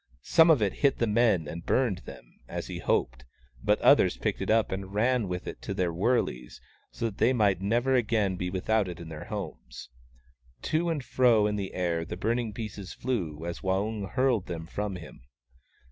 Some of it hit the men and burned them, as he hoped, but others picked it up and ran with it to their wurleys, so that they might never again be without it in their homes. To and fro in the air the burn ing pieces flew as Waung hurled them from him.